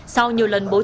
sau nhiều lần bố chồng my